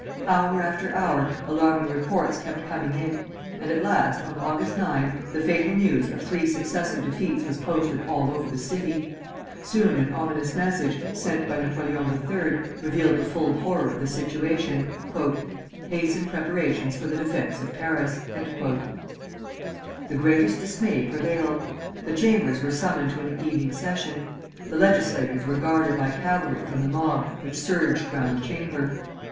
Hour after hour alarming reports kept coming in; and at last, on August 9, the fatal news of three successive defeats was posted all over the city. Soon an ominous message, sent by Napoleon III., revealed the full horror of the situation: "Hasten preparations for the defence of Paris." The greatest dismay prevailed. The Chambers were summoned to an evening session. The legislators were guarded by cavalry from the mob which surged round the Chamber.